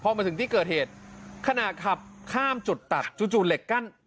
เพราะมันถึงเกิดเหตุฆาณาขับข้ามจุดตัดจูจูเล็กกั้นร่วงลงมาพอดี